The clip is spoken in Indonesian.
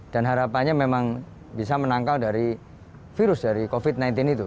dan harapannya memang bisa menangkau dari virus covid sembilan belas itu